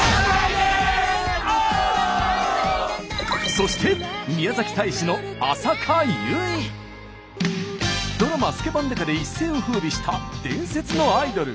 そしてドラマ「スケバン刑事」で一世を風靡した伝説のアイドル。